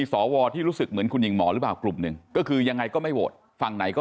สวที่รู้สึกเหมือนคุณหญิงหมอหรือเปล่ากลุ่มหนึ่งก็คือยังไงก็ไม่โหวตฝั่งไหนก็